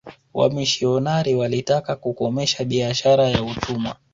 wamishionari walitaka kukomesha biashara ya utumwa